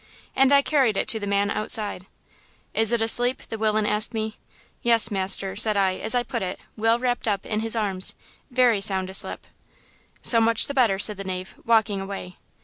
And I carried it to the man outside. "'Is it asleep?' the willain asked me. "'Yes, master,' said I as I put it, well wrapped up, in his arms; 'very sound aslep.' "'So much the better,' said the knave, walking away.